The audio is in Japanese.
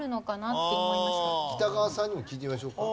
北川さんにも聞いてみましょうか。